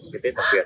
cái tết đặc biệt